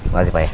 makasih pa ya